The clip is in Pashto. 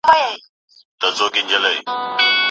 د نجونو له تبادلې څخه ځانونه وساتئ.